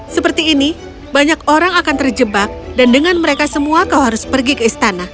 seperti ini banyak orang akan terjebak dan dengan mereka semua kau harus pergi ke istana